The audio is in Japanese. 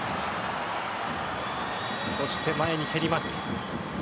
そして前に蹴ります。